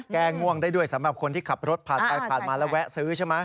แก้ง่วงได้ด้วยสำหรับคนที่ขับรถผ่านไปผ่านมาแล้วแวะซื้อใช่ไหม